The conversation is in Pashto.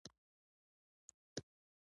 شتمن خلک د خپل مال په اړه حساب لري.